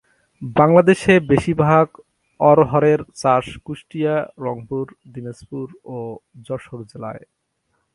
বাংলাদেশে বেশির ভাগ অড়হরের চাষ কুষ্টিয়া, রংপুর, দিনাজপুর ও যশোর জেলায়।